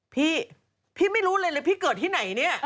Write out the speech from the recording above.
พี่พี่ไม่รู้เลยเลยพี่เกิดที่ไหนเนี่ย